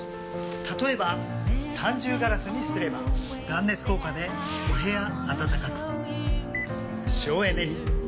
例えば三重ガラスにすれば断熱効果でお部屋暖かく省エネに。